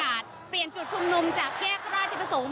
อาจแยกประธุมนุมจากแยกร้าธิประสงค์